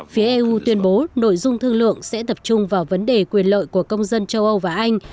phía eu tuyên bố nội dung thương lượng sẽ tập trung vào vấn đề quyền lợi của công dân châu âu và anh